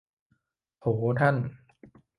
โถ ท่าน